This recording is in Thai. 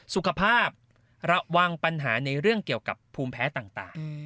สุขภาพระวังปัญหาในเรื่องเกี่ยวกับภูมิแพ้ต่าง